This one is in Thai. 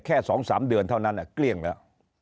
แค่สองสามเดือนเท่านั้นเนี่ยเกลี้ยงแล้ว